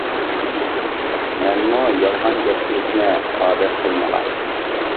مەنمۇ يالغان گەپ قىلىشنى ئادەت قىلمىغان.